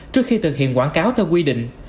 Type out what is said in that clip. trước khi thực hiện quảng cáo theo quy định